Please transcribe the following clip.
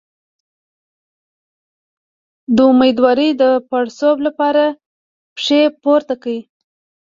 د امیدوارۍ د پړسوب لپاره پښې پورته کړئ